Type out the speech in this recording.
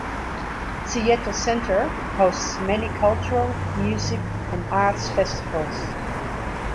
Seattle Center hosts many cultural, music and arts festivals.